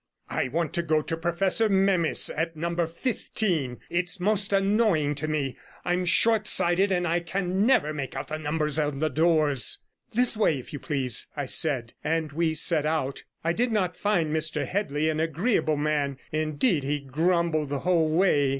'I want to go to Professor Memys, at Number 15. It's most annoying to me; I'm short sighted, and I can never make out the numbers on the doors.' 'This way, if you please,' I said, and we set out. I did not find Mr Headley an agreeable man; indeed, he grumbled the whole way.